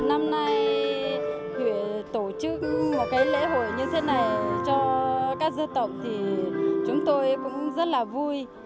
năm nay tổ chức một cái lễ hội như thế này cho các dân tộc thì chúng tôi cũng rất là vui